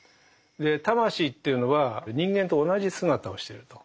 で魂というのは人間と同じ姿をしてると。